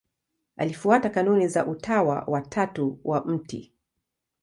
Alifuata kanuni za Utawa wa Tatu wa Mt.